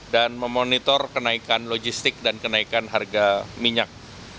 dan memonitor kenaikan logistik dan kenaikan harga minyak